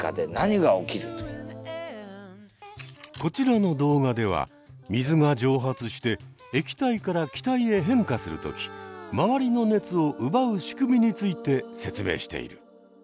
こちらの動画では水が蒸発して液体から気体へ変化するときまわりの熱を奪う仕組みについて説明している。